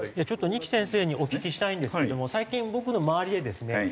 ちょっと二木先生にお聞きしたいんですけども最近僕の周りでですね